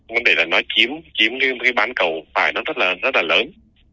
vấn đề là nó chiếm cái bán cầu phải nó rất là lớn